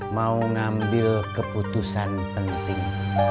mau ngambil keputusan penting